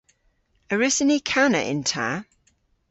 A wrussyn ni kana yn ta?